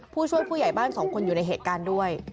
ผู้ช่วยผู้ใหญ่บ้านสองคนอยู่ในเหตุการณ์ด้วย